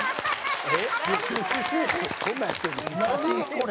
これ。